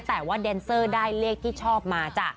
แต่ว่าแดนเซอร์ได้เลขที่ชอบมาจ้ะ